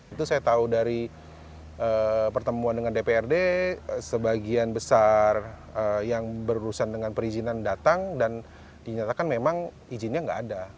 itu saya tahu dari pertemuan dengan dprd sebagian besar yang berurusan dengan perizinan datang dan dinyatakan memang izinnya nggak ada